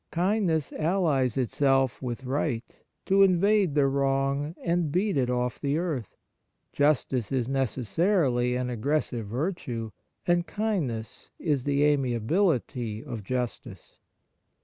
Kindness allies itself with right to invade the wrong and beat it off the earth. Justice is necessarily an aggressive virtue, and kindness is the amiability of justice.